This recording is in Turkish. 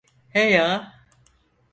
He ya.